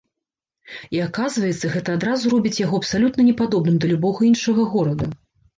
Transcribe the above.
І аказваецца, гэта адразу робіць яго абсалютна не падобным да любога іншага горада.